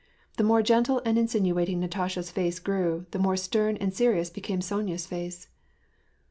The more gentle and insinuat ing Natasha's face grew, the more stern and serious became Sonya's face.